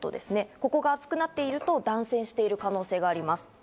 ここが熱くなっていると断線してる可能性があります。